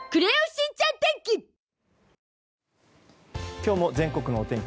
今日も全国のお天気